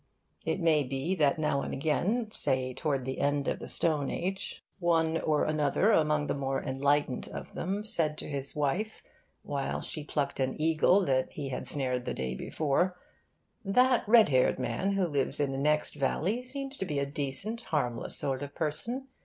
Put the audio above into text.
It may be that now and again say, towards the end of the Stone Age one or another among the more enlightened of them said to his wife, while she plucked an eagle that he had snared the day before, 'That red haired man who lives in the next valley seems to be a decent, harmless sort of person.